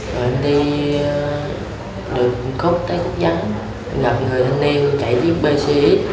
rồi em đi được cướp tới cướp trắng gặp người hình niên chạy chiếc pcx